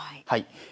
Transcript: はい。